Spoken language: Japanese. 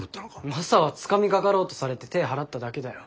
マサはつかみかかろうとされて手ぇ払っただけだよ。